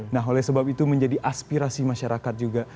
nah oleh sebab itu menjadi aspirasi masyarakat juga